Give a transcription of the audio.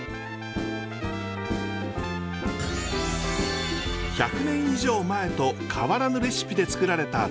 １００年以上前と変わらぬレシピで作られた絶品海軍カレー。